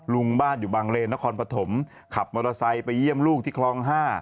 ลุงบ้านอยู่บางเลนนครปฐมขับมอเตอร์ไซค์ไปเยี่ยมลูกที่คลอง๕